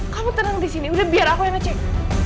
kamu tenang disini udah biar aku yang ngecek